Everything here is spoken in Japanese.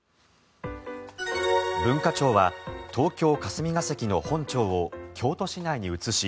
文化庁は東京・霞が関の本庁を京都市内に移し